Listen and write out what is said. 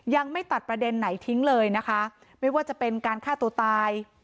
ยังไม่ตัดประเด็นไหนทิ้งเลยนะคะไม่ว่าจะเป็นการฆ่าตัวตาย